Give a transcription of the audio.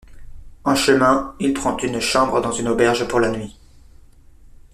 En chemin, il prend une chambre dans une auberge pour la nuit.